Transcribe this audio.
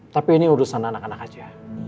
tapi ini urusan anak anak aja